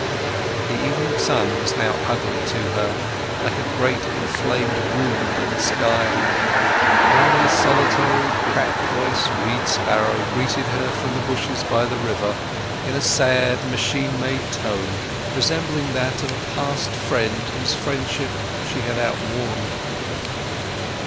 The evening sun was now ugly to her, like a great inflamed wound in the sky. Only a solitary cracked voice reed sparrow greeted her from the bushes by the river, in a sad, machine made tone, resembling that of a past friend whose friendship she had outworn.